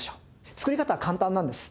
作り方は簡単なんです。